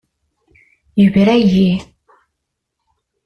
Yebra-yi.